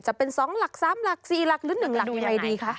จะเป็น๒หลัก๓หลัก๔หลักหรือ๑หลักยังไงดีคะ